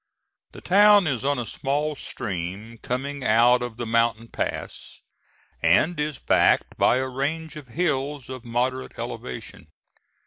The town is on a small stream coming out of the mountain pass, and is backed by a range of hills of moderate elevation.